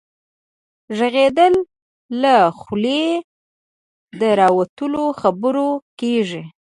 ږغيدل له خولې د راوتلو خبرو کيږي.